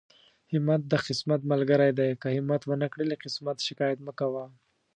همت د قسمت ملګری دی، که همت ونکړې له قسمت شکايت مکوه.